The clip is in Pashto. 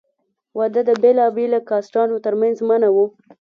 واده د بېلابېلو کاسټانو تر منځ منع وو.